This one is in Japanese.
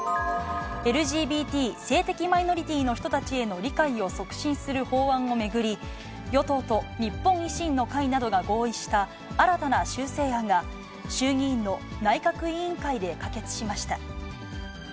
ＬＧＢＴ・性的マイノリティーの人たちへの理解を促進する法案を巡り、与党と日本維新の会などが合意した新たな修正案が、衆議院の内閣委員会で可決しました。